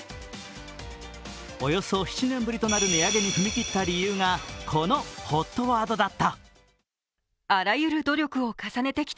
およそ７年ぶりとなる値上げに踏み切った理由が、このＨＯＴワードだった。